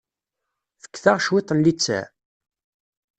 Fket-aɣ cwiṭ n littseɛ.